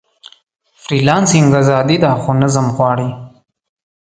فریلانسنګ ازادي ده، خو نظم غواړي.